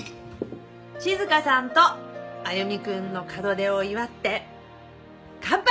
静さんと歩くんの門出を祝って乾杯！